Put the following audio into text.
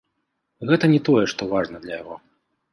Гэта не тое, што важна для яго.